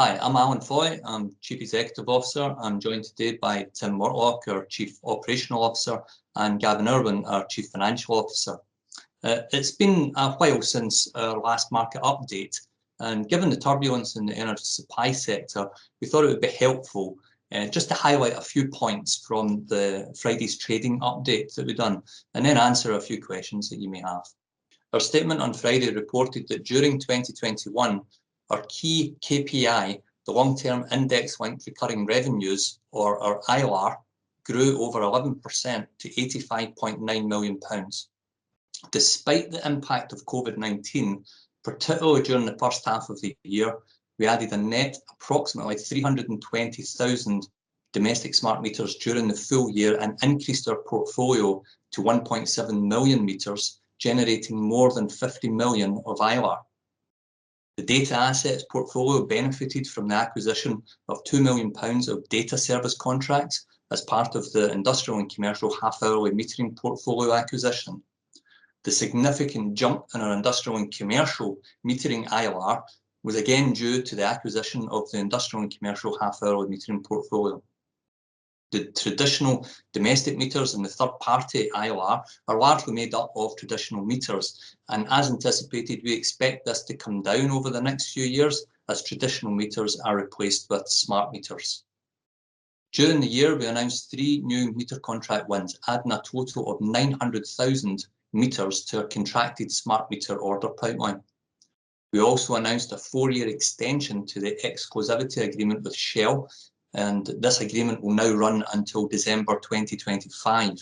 Hi, I'm Alan Foy. I'm the Chief Executive Officer. I'm joined today by Tim Mortlock, our Chief Operating Officer, and Gavin Urwin, our Chief Financial Officer. It's been a while since our last market update, and given the turbulence in the energy supply sector, we thought it would be helpful, just to highlight a few points from Friday's trading update that we've done, and then answer a few questions that you may have. Our statement on Friday reported that during 2021, our key KPI, the long-term index linked recurring revenues or our ILRR, grew over 11% to 85.9 million pounds. Despite the impact of COVID-19, particularly during the first half of the year, we added a net approximately 320,000 domestic smart meters during the full-year and increased our portfolio to 1.7 million meters, generating more than 50 million of ILRR. The data asset portfolio benefited from the acquisition of 2 million pounds of data service contracts as part of the industrial and commercial half-hourly metering portfolio acquisition. The significant jump in our industrial and commercial metering ILRR was again due to the acquisition of the industrial and commercial half-hourly metering portfolio. The traditional domestic meters and the third party ILRR are largely made up of traditional meters, and as anticipated, we expect this to come down over the next few years as traditional meters are replaced with smart meters. During the year, we announced three new meter contract wins, adding a total of 900,000 meters to our contracted smart meter order pipeline. We also announced a four-year extension to the exclusivity agreement with Shell, and this agreement will now run until December 2025.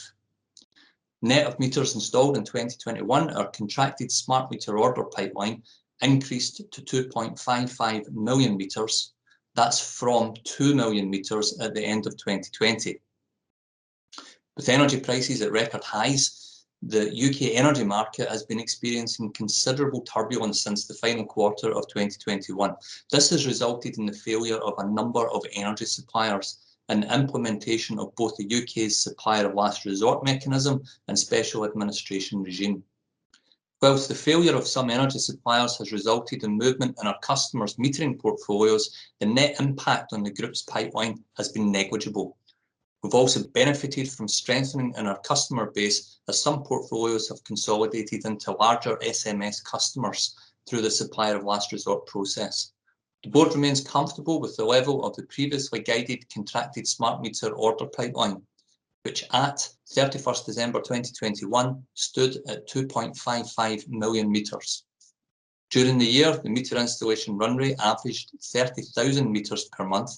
Net of meters installed in 2021, our contracted smart meter order pipeline increased to 2.55 million meters. That's from 2 million meters at the end of 2020. With energy prices at record highs, the U.K. energy market has been experiencing considerable turbulence since the final quarter of 2021. This has resulted in the failure of a number of energy suppliers and implementation of both the U.K.'s Supplier of Last Resort mechanism and Special Administration Regime. While the failure of some energy suppliers has resulted in movement in our customers' metering portfolios, the net impact on the group's pipeline has been negligible. We've also benefited from strengthening in our customer base as some portfolios have consolidated into larger SMS customers through the Supplier of Last Resort process. The board remains comfortable with the level of the previously guided contracted smart meter order pipeline, which at 31st December 2021 stood at 2.55 million meters. During the year, the meter installation run rate averaged 30,000 meters per month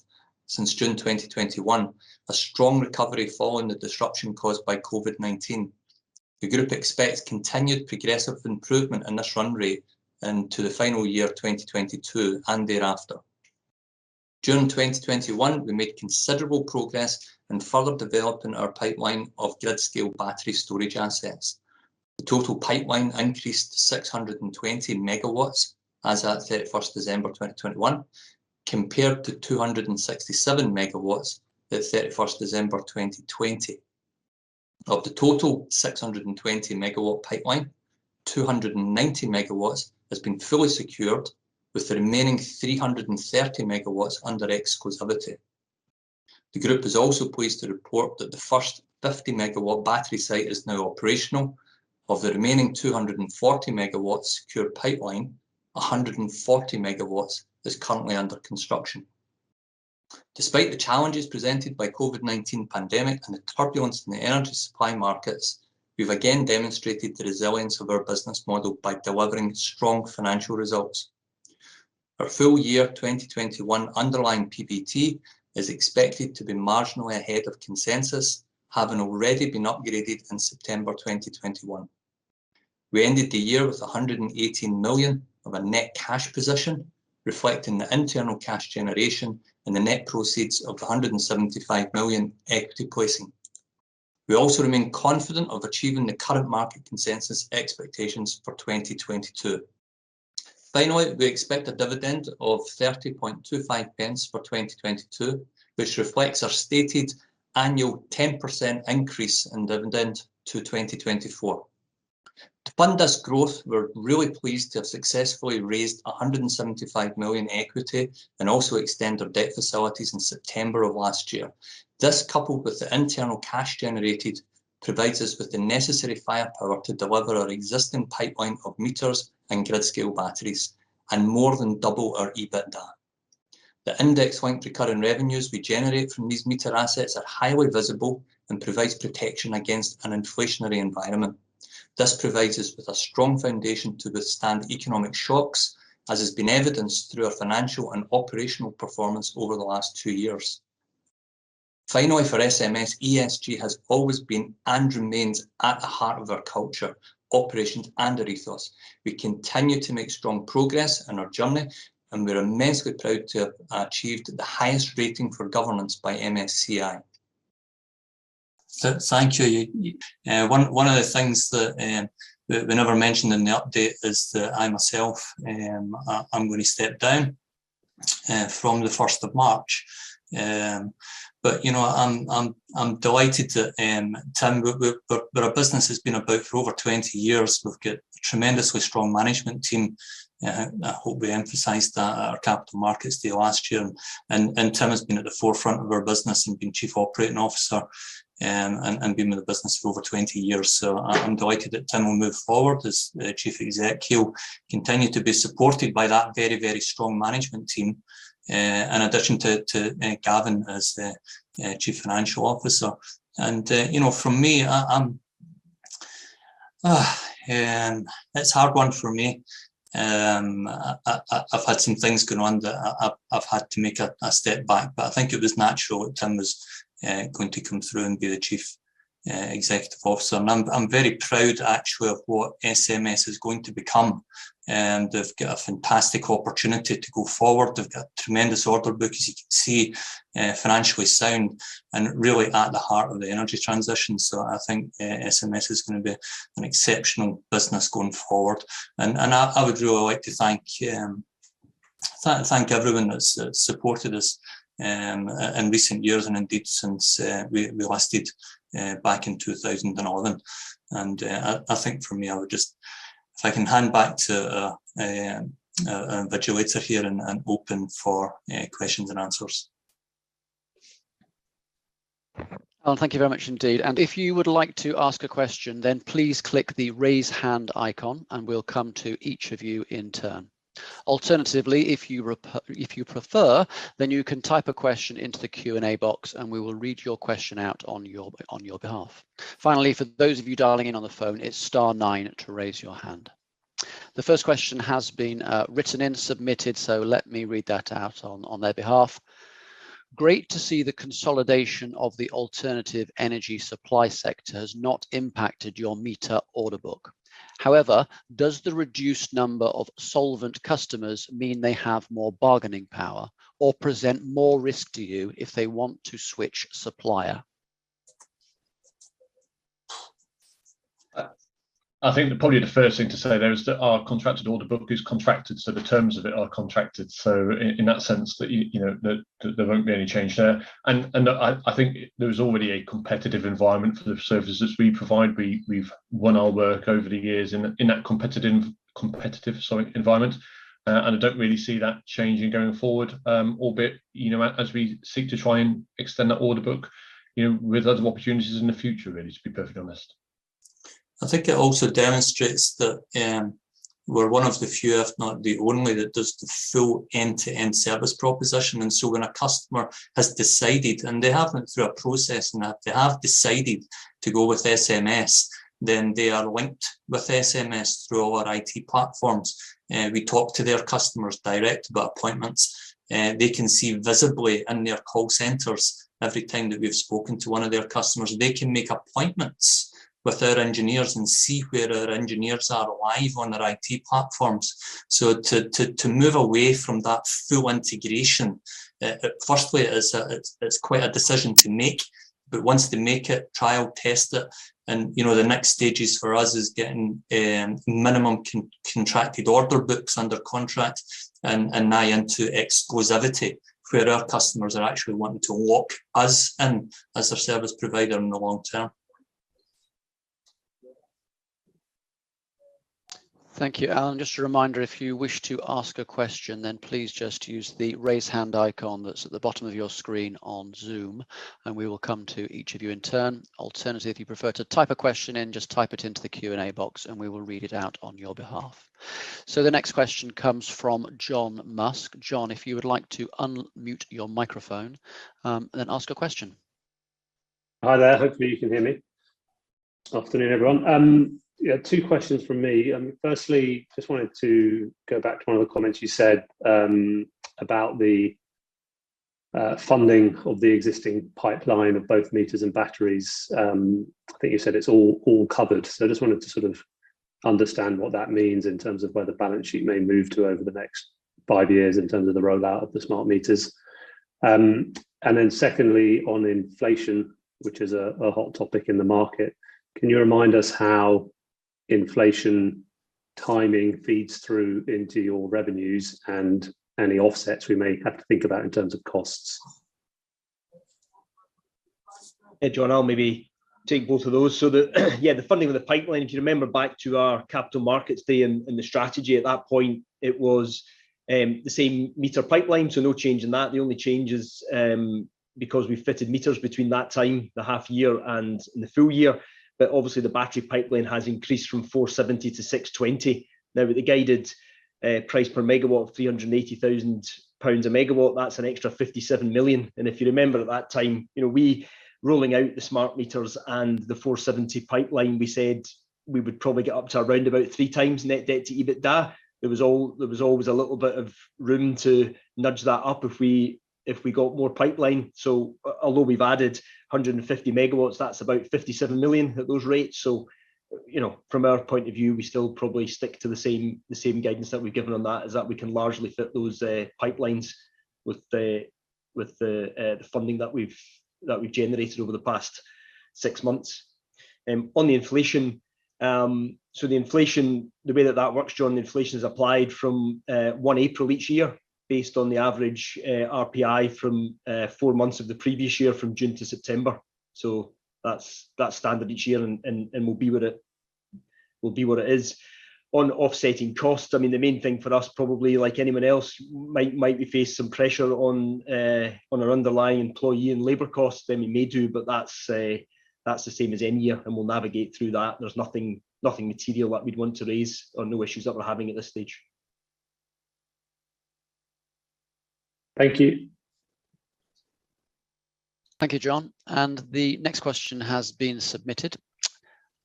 since June 2021, a strong recovery following the disruption caused by COVID-19. The group expects continued progressive improvement in this run rate into the final year, 2022, and thereafter. During 2021, we made considerable progress in further developing our pipeline of grid-scale battery storage assets. The total pipeline increased to 620 MW as at 31st December 2021, compared to 267 MW at 31st December 2020. Of the total 620 MW pipeline, 290 MW has been fully secured with the remaining 330 MW under exclusivity. The group is also pleased to report that the first 50 MW battery site is now operational. Of the remaining 240 MW secure pipeline, 140 MW is currently under construction. Despite the challenges presented by COVID-19 pandemic and the turbulence in the energy supply markets, we've again demonstrated the resilience of our business model by delivering strong financial results. Our full-year 2021 underlying PBT is expected to be marginally ahead of consensus, having already been upgraded in September 2021. We ended the year with a net cash position of GBP 118 million, reflecting the internal cash generation and the net proceeds of the 175 million equity placing. We also remain confident of achieving the current market consensus expectations for 2022. Finally, we expect a dividend of 0.3025 for 2022, which reflects our stated annual 10% increase in dividend to 2024. To fund this growth, we're really pleased to have successfully raised 175 million equity and also extend our debt facilities in September of last year. This, coupled with the internal cash generated, provides us with the necessary firepower to deliver our existing pipeline of meters and grid-scale batteries, and more than double our EBITDA. The index linked recurring revenues we generate from these meter assets are highly visible and provides protection against an inflationary environment. This provides us with a strong foundation to withstand economic shocks, as has been evidenced through our financial and operational performance over the last two years. Finally, for SMS, ESG has always been and remains at the heart of our culture, operations, and ethos. We continue to make strong progress in our journey, and we're immensely proud to have achieved the highest rating for governance by MSCI. Thank you. One of the things that we never mentioned in the update is that I myself, I'm going to step down from the first of March. You know, I'm delighted to Tim. We're where our business has been about for over 20 years. We've got tremendously strong management team. I hope we emphasized that at our Capital Markets Day last year. Tim has been at the forefront of our business and been Chief Operating Officer and been with the business for over 20 years. I'm delighted that Tim will move forward as Chief Executive. He'll continue to be supported by that very strong management team in addition to Gavin as the Chief Financial Officer. You know, for me, I'm it's a hard one for me. I've had some things going on that I've had to make a step back, but I think it was natural that Tim was going to come through and be the Chief Executive Officer. I'm very proud actually of what SMS is going to become. They've got a fantastic opportunity to go forward. They've got tremendous order book as you can see, financially sound and really at the heart of the energy transition. I think SMS is gonna be an exceptional business going forward. I would really like to thank everyone that's supported us in recent years and indeed since we listed back in 2011. I think for me, I would just. If I can hand back to our moderator here and open for questions and answers. Alan, thank you very much indeed. If you would like to ask a question, then please click the Raise Hand icon and we'll come to each of you in turn. Alternatively, if you prefer, then you can type a question into the Q&A box, and we will read your question out on your behalf. Finally, for those of you dialing in on the phone, it's star nine to raise your hand. The first question has been written in, submitted, so let me read that out on their behalf. Great to see the consolidation of the alternative energy supply sector has not impacted your meter order book. However, does the reduced number of solvent customers mean they have more bargaining power or present more risk to you if they want to switch supplier? I think probably the first thing to say there is that our contracted order book is contracted, so the terms of it are contracted. In that sense that, you know, that there won't be any change there. I think there is already a competitive environment for the services we provide. We've won our work over the years in that competitive environment. I don't really see that changing going forward, albeit you know as we seek to try and extend that order book, you know, with other opportunities in the future, really, to be perfectly honest. I think it also demonstrates that we're one of the few, if not the only, that does the full end-to-end service proposition. When a customer has decided, and they have gone through a process and that they have decided to go with SMS, then they are linked with SMS through our IT platforms. We talk to their customers directly about appointments. They can see visibly in their call centers every time that we've spoken to one of their customers. They can make appointments with our engineers and see where our engineers are live on our IT platforms. To move away from that full integration, firstly, it's quite a decision to make. Once they make it, trial test it, and, you know, the next stages for us is getting minimum contracted order books under contract and now into exclusivity, where our customers are actually wanting to lock us in as their service provider in the long-term. Thank you, Alan. Just a reminder, if you wish to ask a question, then please just use the Raise Hand icon that's at the bottom of your screen on Zoom, and we will come to each of you in turn. Alternatively, if you prefer to type a question in, just type it into the Q&A box, and we will read it out on your behalf. The next question comes from John Musk. John, if you would like to unmute your microphone, and then ask a question. Hi there. Hopefully you can hear me. Afternoon, everyone. Yeah, two questions from me. Firstly, just wanted to go back to one of the comments you said, about the funding of the existing pipeline of both meters and batteries. I think you said it's all covered. I just wanted to sort of understand what that means in terms of where the balance sheet may move to over the next five years in terms of the rollout of the smart meters. Secondly, on inflation, which is a hot topic in the market, can you remind us how inflation timing feeds through into your revenues and any offsets we may have to think about in terms of costs? Hey, John, I'll maybe take both of those. The funding of the pipeline. If you remember back to our capital markets day and the strategy at that point, it was the same meter pipeline, so no change in that. The only change is because we fitted meters between that time, the half-year and the full-year. Obviously the battery pipeline has increased from 470 to 620. Now, with the guided price per megawatt, 380,000 pounds per megawatt, that's an extra 57 million. If you remember at that time, you know, we rolling out the smart meters and the 470 pipeline, we said we would probably get up to around about 3x net debt to EBITDA. There was always a little bit of room to nudge that up if we got more pipeline. Although we've added 150 MW, that's about 57 million at those rates. You know, from our point of view, we still probably stick to the same guidance that we've given on that, is that we can largely fit those pipelines with the funding that we've generated over the past six months. On the inflation, the way that that works, John, inflation is applied from 1 April each year based on the average RPI from 4 months of the previous year, from June to September. That's standard each year and will be what it is. On offsetting costs, I mean, the main thing for us probably, like anyone else, might be facing some pressure on our underlying employee and labor costs. We may too, but that's the same as any year, and we'll navigate through that. There's nothing material that we'd want to raise or no issues that we're having at this stage. Thank you. Thank you, John. The next question has been submitted.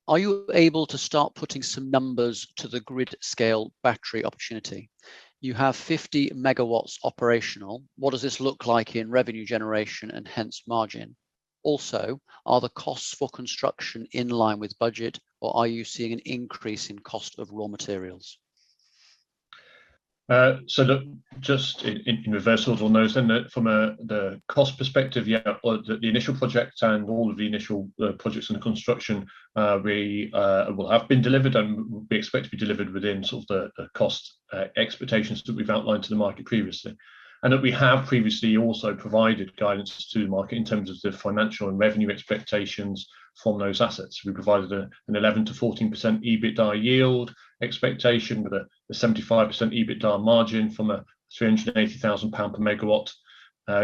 Are you able to start putting some numbers to the grid scale battery opportunity? You have 50 MW operational. What does this look like in revenue generation and hence margin? Also, are the costs for construction in line with budget, or are you seeing an increase in cost of raw materials? Just in reverse order on those then. From the cost perspective, the initial projects and all of the initial projects under construction have been delivered and we expect to be delivered within sort of the cost expectations that we've outlined to the market previously, that we have previously also provided guidance to the market in terms of the financial and revenue expectations from those assets. We provided an 11%-14% EBITDA yield expectation with a 75% EBITDA margin from a 380,000 pound per megawatt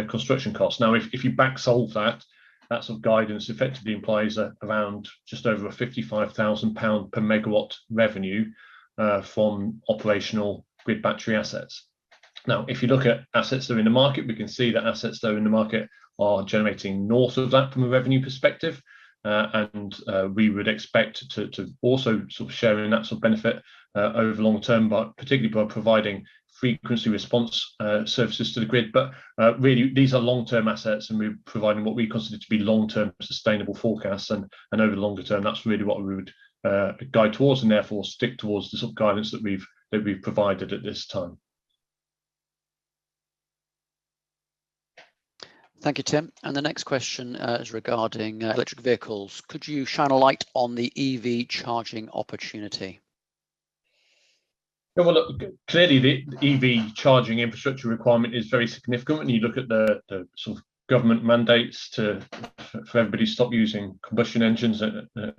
construction cost. Now, if you back solve that sort of guidance effectively implies around just over a 55,000 pound per megawatt revenue from operational grid battery assets. Now, if you look at assets that are in the market, we can see that assets, though, in the market are generating north of that from a revenue perspective. We would expect to also sort of share in that sort of benefit over long-term, but particularly by providing frequency response services to the grid. Really these are long-term assets, and we're providing what we consider to be long-term sustainable forecasts. Over the longer-term, that's really what we would guide towards and therefore stick towards the sort of guidance that we've provided at this time. Thank you, Tim. The next question is regarding electric vehicles. Could you shine a light on the EV charging opportunity? Yeah, well, look, clearly the EV charging infrastructure requirement is very significant when you look at the sort of government mandates for everybody to stop using combustion engines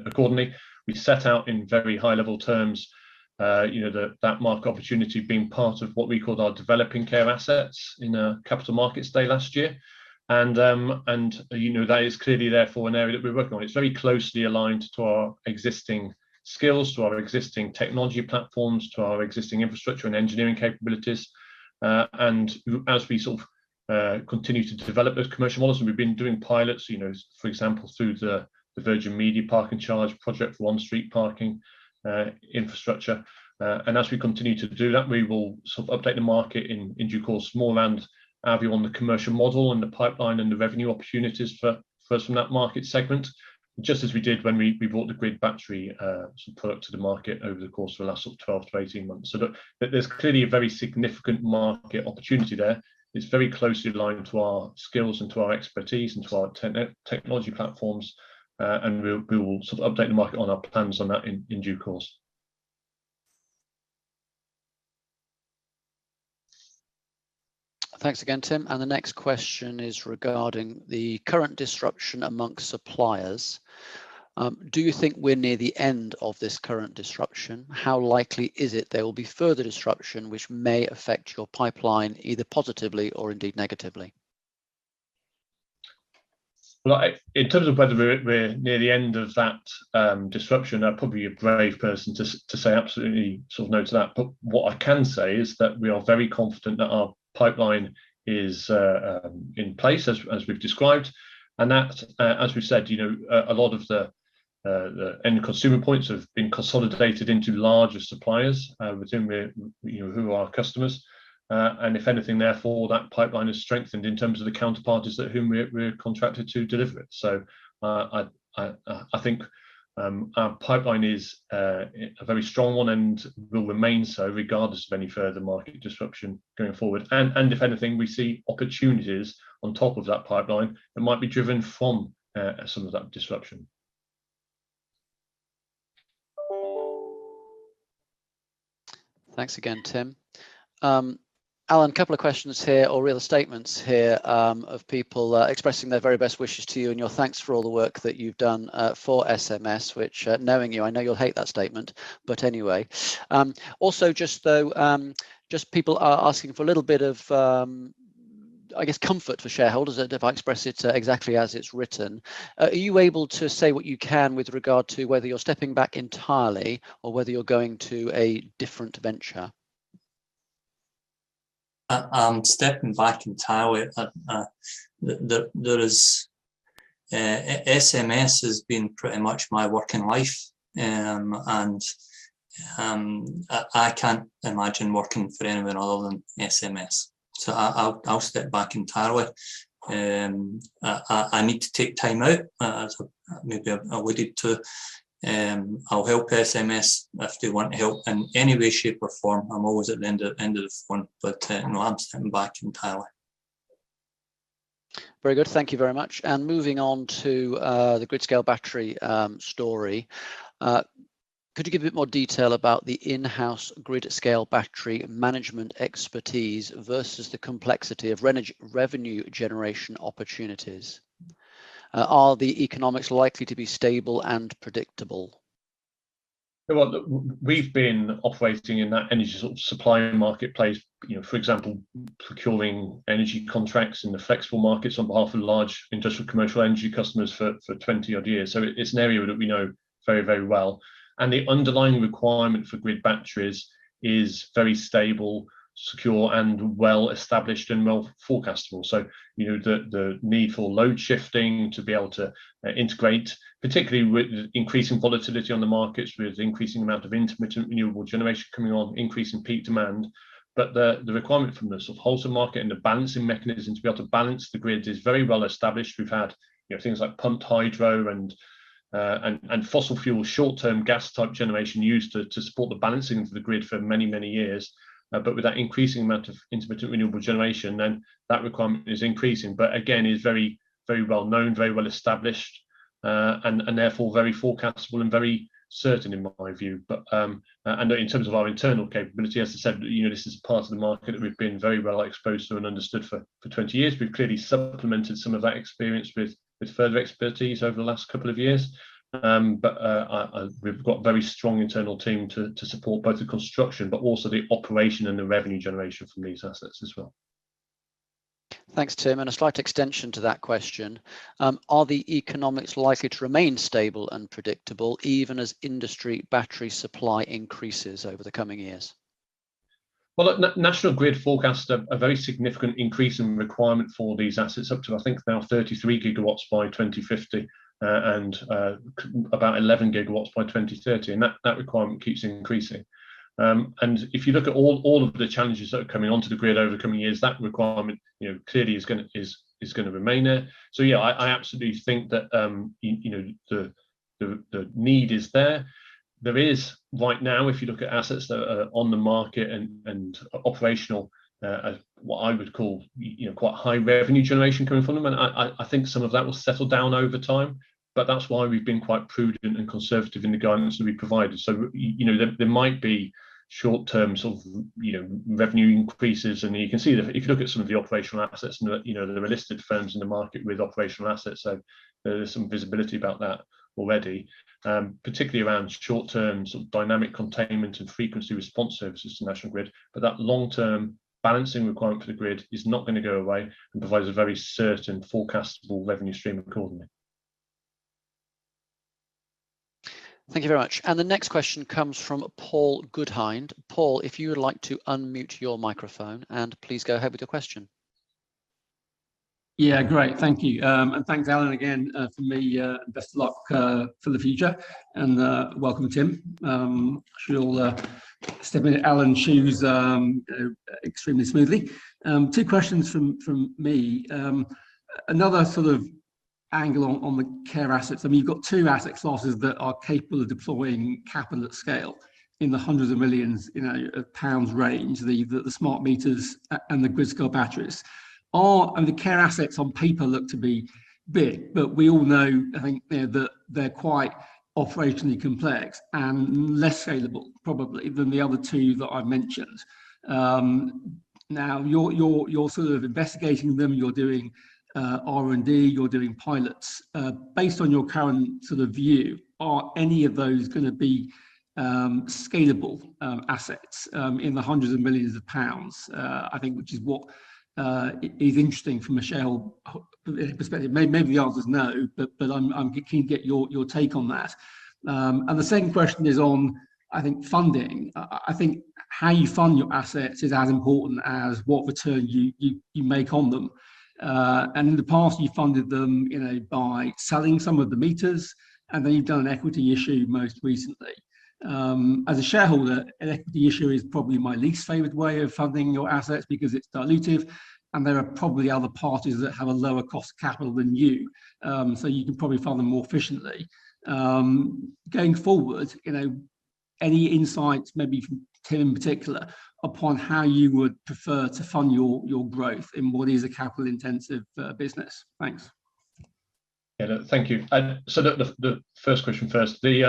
accordingly. We set out in very high-level terms, you know, that market opportunity being part of what we called our developing CaRe assets in a Capital Markets Day last year. That is clearly therefore an area that we're working on. It's very closely aligned to our existing skills, to our existing technology platforms, to our existing infrastructure and engineering capabilities. As we sort of continue to develop those commercial models, and we've been doing pilots, you know, for example, through the Virgin Media Park & Charge project for on-street parking infrastructure. As we continue to do that, we will sort of update the market in due course more and have you on the commercial model and the pipeline and the revenue opportunities for us from that market segment. Just as we did when we brought the grid battery sort of product to the market over the course of the last sort of 12-18 months. There's clearly a very significant market opportunity there. It's very closely aligned to our skills and to our expertise and to our technology platforms. We'll sort of update the market on our plans on that in due course. Thanks again, Tim. The next question is regarding the current disruption among suppliers. Do you think we're near the end of this current disruption? How likely is it there will be further disruption which may affect your pipeline either positively or indeed negatively? In terms of whether we're near the end of that disruption, I'd probably be a brave person to say absolutely sort of no to that. What I can say is that we are very confident that our pipeline is in place as we've described. That as we've said, you know, a lot of the end consumer points have been consolidated into larger suppliers, you know, who are our customers. If anything, therefore, that pipeline has strengthened in terms of the counterparties to whom we're contracted to deliver it. I think our pipeline is a very strong one and will remain so regardless of any further market disruption going forward. If anything, we see opportunities on top of that pipeline that might be driven from some of that disruption. Thanks again, Tim. Alan, a couple of questions here or really statements here, of people expressing their very best wishes to you and thanks for all the work that you've done for SMS, which, knowing you, I know you'll hate that statement, but anyway. Also just though, just people are asking for a little bit of, I guess, comfort for shareholders if I express it exactly as it's written. Are you able to say what you can with regard to whether you're stepping back entirely or whether you're going to a different venture? I'm stepping back entirely. SMS has been pretty much my working life. I can't imagine working for anyone other than SMS. I'll step back entirely. I need to take time out, as maybe I've alluded to. I'll help SMS if they want help in any way, shape or form. I'm always at the end of the phone. No, I'm stepping back entirely. Very good. Thank you very much. Moving on to the grid-scale battery story. Could you give a bit more detail about the in-house grid-scale battery management expertise versus the complexity of revenue generation opportunities? Are the economics likely to be stable and predictable? Well, look, we've been operating in that energy sort of supplying marketplace, you know, for example, procuring energy contracts in the flexible markets on behalf of large industrial commercial energy customers for 20-odd years. It's an area that we know very, very well, and the underlying requirement for grid batteries is very stable, secure, and well-established and well forecastable. You know, the need for load shifting to be able to integrate, particularly with increasing volatility on the markets, with increasing amount of intermittent renewable generation coming on, increasing peak demand. The requirement from the sort of wholesale market and the Balancing Mechanism to be able to balance the grid is very well established. We've had, you know, things like pumped hydro and fossil fuel short-term gas type generation used to support the balancing of the grid for many, many years. With that increasing amount of intermittent renewable generation, then that requirement is increasing. Again, it is very, very well-known, very well-established, and therefore very forecastable and very certain in my view. In terms of our internal capability, as I said, you know, this is a part of the market that we've been very well-exposed to and understood for 20 years. We've clearly supplemented some of that experience with further expertise over the last couple of years. We've got very strong internal team to support both the construction but also the operation and the revenue generation from these assets as well. Thanks, Tim, and a slight extension to that question. Are the economics likely to remain stable and predictable even as industry battery supply increases over the coming years? Well, National Grid forecast a very significant increase in requirement for these assets, up to, I think, about 33 GW by 2050, and about 11 GW by 2030, and that requirement keeps increasing. If you look at all of the challenges that are coming onto the grid over coming years, that requirement, you know, clearly is gonna remain there. Yeah, I absolutely think that, you know, the need is there. There is right now, if you look at assets that are on the market and operational, at what I would call, you know, quite high revenue generation coming from them, and I think some of that will settle down over time, but that's why we've been quite prudent and conservative in the guidance that we provided. You know, there might be short-term sort of, you know, revenue increases, and you can see that if you look at some of the operational assets and you know there are listed firms in the market with operational assets. There's some visibility about that already, particularly around short-term sort of Dynamic Containment and frequency response services to National Grid. That long-term balancing requirement for the grid is not gonna go away and provides a very certain forecastable revenue stream accordingly. Thank you very much. The next question comes from Paul Goodhind. Paul, if you would like to unmute your microphone, and please go ahead with your question. Great. Thank you and thanks, Alan, again from me and best of luck for the future and welcome, Tim. I'm sure you'll step into Alan's shoes extremely smoothly. Two questions from me. Another sort of angle on the CaRe assets. I mean, you've got two asset classes that are capable of deploying capital at scale in the hundreds of millions of GBP, you know, the smart meters and the grid-scale batteries. The CaRe assets on paper look to be big, but we all know, I think, they're quite operationally complex and less scalable probably than the other two that I've mentioned. Now you're sort of investigating them, you're doing R&D, you're doing pilots. Based on your current sort of view, are any of those gonna be scalable assets in the hundreds of millions GBP? I think which is what is interesting from a shareholder perspective. Maybe the answer's no, but I'm keen to get your take on that. The second question is on, I think, funding. I think how you fund your assets is as important as what return you make on them. In the past, you funded them, you know, by selling some of the meters, and then you've done an equity issue most recently. As a shareholder, an equity issue is probably my least favorite way of funding your assets because it's dilutive and there are probably other parties that have a lower cost of capital than you. You can probably fund them more efficiently. Going forward, you know, any insights, maybe from Tim in particular, on how you would prefer to fund your growth in what is a capital-intensive business? Thanks. Yeah. No, thank you. The first question first. We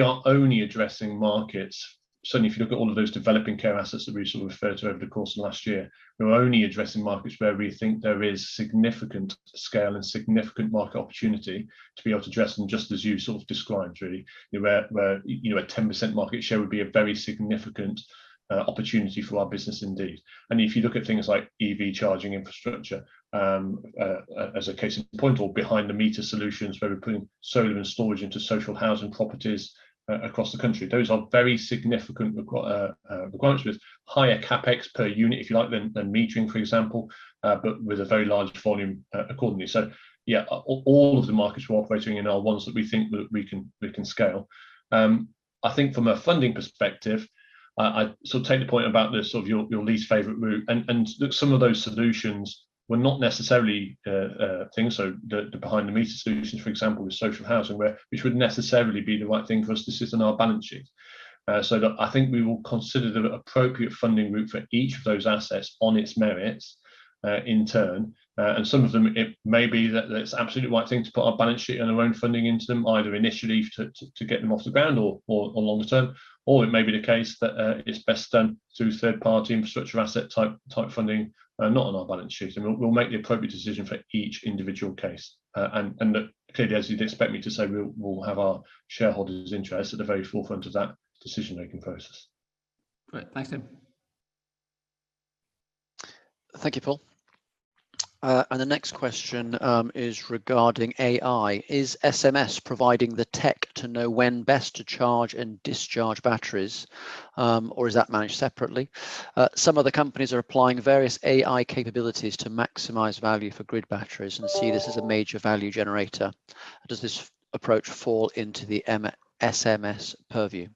are only addressing markets. Certainly, if you look at all of those developing CaRe assets that we sort of referred to over the course of last year, we're only addressing markets where we think there is significant scale and significant market opportunity to be able to address them, just as you sort of described really, you know, where a 10% market share would be a very significant opportunity for our business indeed. If you look at things like EV charging infrastructure, as a case in point or behind the meter solutions where we're putting solar and storage into social housing properties across the country, those are very significant requirements with higher CapEx per unit, if you like, than metering, for example, but with a very large volume accordingly. Yeah, all of the markets we're operating in are ones that we think that we can scale. I think from a funding perspective, I sort of take the point about the sort of your least favorite route and look, some of those solutions were not necessarily things, so the behind the meter solutions, for example, with social housing, which wouldn't necessarily be the right thing for us to sit on our balance sheet. Look, I think we will consider the appropriate funding route for each of those assets on its merits in turn. Some of them it may be that it's absolutely the right thing to put our balance sheet and our own funding into them, either initially to get them off the ground or longer-term, or it may be the case that it's best done through third-party infrastructure asset type funding, not on our balance sheet. We'll make the appropriate decision for each individual case. Look, clearly as you'd expect me to say, we'll have our shareholders' interests at the very forefront of that decision-making process. Great. Thanks, Tim. Thank you, Paul. The next question is regarding AI. Is SMS providing the tech to know when best to charge and discharge batteries, or is that managed separately? Some other companies are applying various AI capabilities to maximize value for grid batteries and see this as a major value generator. Does this approach fall into the SMS purview?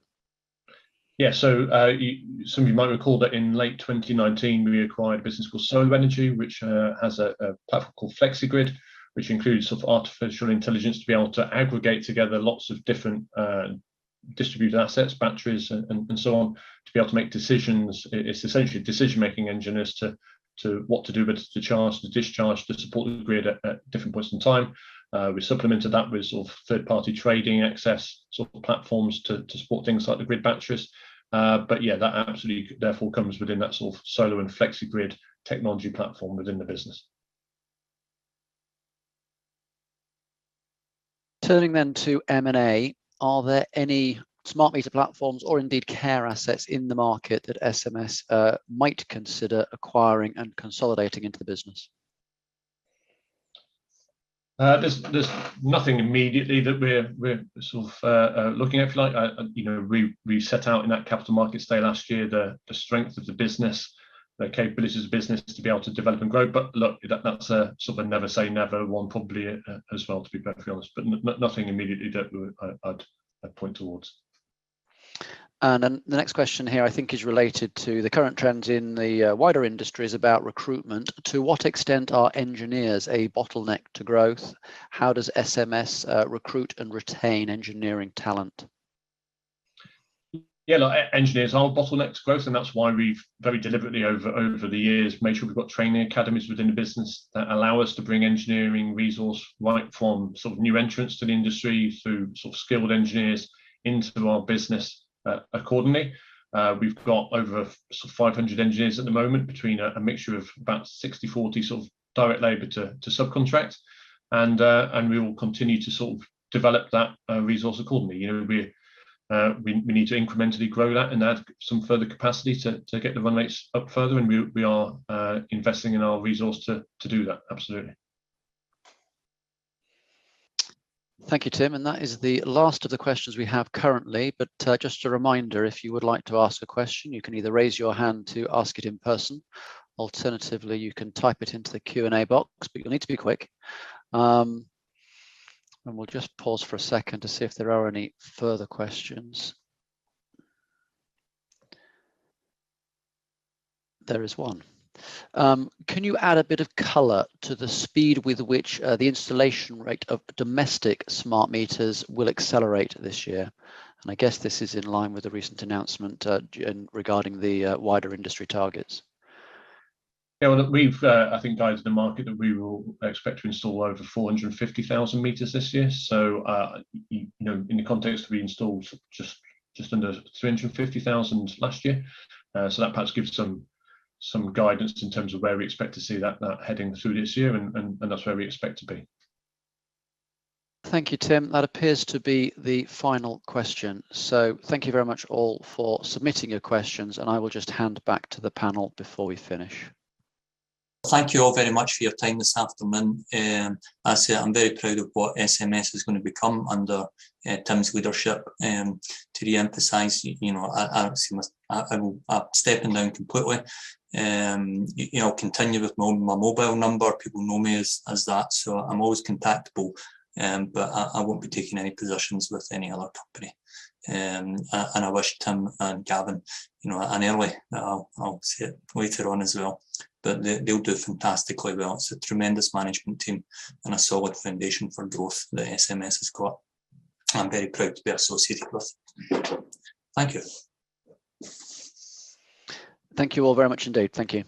Some of you might recall that in late 2019 we acquired a business called Solo Energy, which has a platform called FlexiGrid, which includes sort of artificial intelligence to be able to aggregate together lots of different distributed assets, batteries and so on, to be able to make decisions. It's essentially a decision-making engine as to what to do with, to charge, to discharge, to support the grid at different points in time. We supplemented that with sort of third-party trading access sort of platforms to support things like the grid batteries. Yeah, that absolutely therefore comes within that sort of Solo and FlexiGrid technology platform within the business. Turning to M&A, are there any smart meter platforms or indeed CaRe assets in the market that SMS might consider acquiring and consolidating into the business? There's nothing immediately that we're sort of looking at if you like. You know, we set out in that capital markets day last year the strength of the business, the capabilities of the business to be able to develop and grow. Look, that's a sort of a never say never one probably, as well, to be perfectly honest. Nothing immediately that I'd point towards. The next question here I think is related to the current trends in the wider industries about recruitment. To what extent are engineers a bottleneck to growth? How does SMS recruit and retain engineering talent? Yeah. Look, engineers are a bottleneck to growth, and that's why we've very deliberately over the years made sure we've got training academies within the business that allow us to bring engineering resource right from sort of new entrants to the industry, through sort of skilled engineers into our business, accordingly. We've got over sort of 500 engineers at the moment between a mixture of about 60-40 sort of direct labor to subcontract. We will continue to sort of develop that resource accordingly. You know, we need to incrementally grow that and add some further capacity to get the run rates up further, and we are investing in our resource to do that. Absolutely. Thank you, Tim, and that is the last of the questions we have currently. Just a reminder, if you would like to ask a question, you can either raise your hand to ask it in person. Alternatively, you can type it into the Q&A box, but you'll need to be quick. We'll just pause for a second to see if there are any further questions. There is one. Can you add a bit of color to the speed with which the installation rate of domestic smart meters will accelerate this year? I guess this is in line with the recent announcement regarding the wider industry targets. Yeah. Well, look, we've I think guided the market that we will expect to install over 450,000 meters this year. You know, in the context, we installed just under 350,000 last year. That perhaps gives some guidance in terms of where we expect to see that heading through this year and that's where we expect to be. Thank you, Tim. That appears to be the final question. Thank you very much all for submitting your questions, and I will just hand back to the panel before we finish. Thank you all very much for your time this afternoon. As I say, I'm very proud of what SMS is gonna become under Tim's leadership. To reemphasize, you know, I'm stepping down completely. You know, I'll continue with my mobile number. People know me as that, so I'm always contactable. I won't be taking any positions with any other company. I wish Tim and Gavin, you know, and Ellie. I'll see her later on as well, but they'll do fantastically well. It's a tremendous management team and a solid foundation for growth that SMS has got. I'm very proud to be associated with. Thank you. Thank you all very much indeed. Thank you.